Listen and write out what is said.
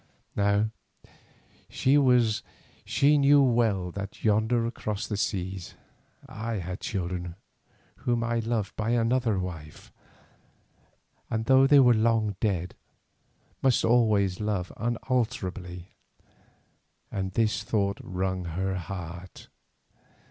Now she knew well that yonder across the seas I had children whom I loved by another wife, and though they were long dead, must always love unalterably, and this thought wrung her heart.